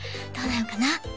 どうなのかな？